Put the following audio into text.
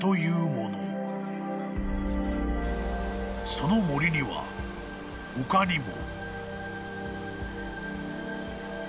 ［その森には他にも］